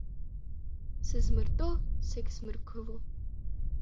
Сызмыртәо, сагьзмыргыло…